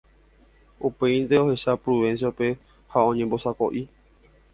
Upéinte ohecha Prudencio-pe ha oñembosako'i